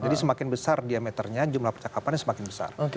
jadi semakin besar diameternya jumlah percakapan semakin besar